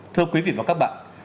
thưa quý vị và các bạn